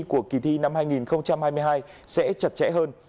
của kỳ thi năm hai nghìn hai mươi hai sẽ chặt chẽ hơn